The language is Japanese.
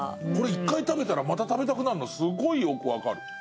これ一回食べたらまた食べたくなるのすごいよくわかる。